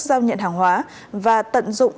giao nhận hàng hóa và tận dụng